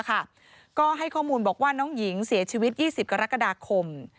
ก็ให้ข้อมูลบอกว่าน้องหญิงเสียชีวิต๒๐กรกฎาคม